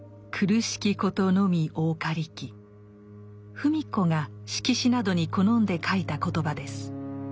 芙美子が色紙などに好んで書いた言葉です。